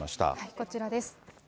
こちらです。